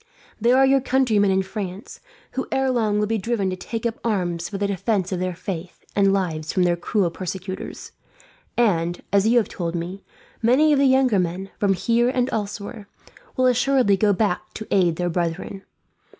There are your countrymen in France, who ere long will be driven to take up arms, for the defence of their faith and lives from their cruel persecutors; and, as you have told me, many of the younger men, from here and elsewhere, will assuredly go back to aid their brethren.